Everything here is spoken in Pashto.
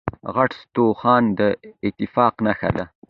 غټ سترخوان داتفاق نښه ده.